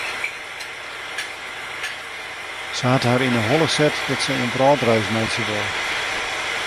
Sy hat har yn 'e holle set dat se in wrâldreis meitsje wol.